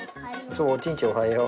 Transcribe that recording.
そうおちんちんおはよう。